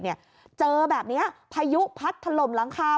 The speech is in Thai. น้ำชายเขตเนี่ยเจอแบบเนี้ยพายุพัดถล่มหลังคา